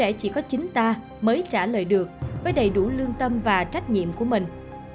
lẽ chỉ có chính ta mới trả lời được với đầy đủ lương tâm và trách nhiệm của mình